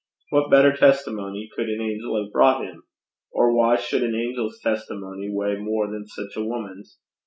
What better testimony could an angel have brought him? Or why should an angel's testimony weigh more than such a woman's?